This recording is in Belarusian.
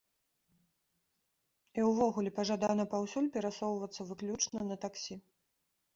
І ўвогуле, пажадана паўсюль перасоўвацца выключна на таксі.